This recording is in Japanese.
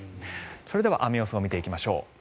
それでは雨予想、見ていきましょう。